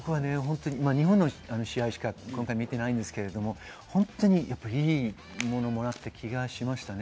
日本の試合しか今回見てないんですけれども、本当にいいものをもらった気がしましたね。